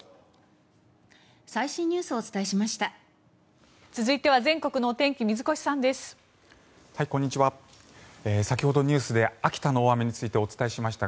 最新ニュースをお伝えしました。